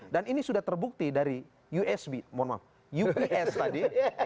dan ini sudah terbukti dari ups tadi